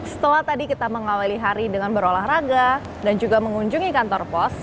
setelah tadi kita mengawali hari dengan berolahraga dan juga mengunjungi kantor pos